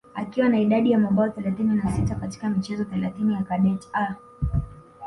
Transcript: akiwa na idadi ya mabao thelathini na sita katika michezo thelathini ya kadet A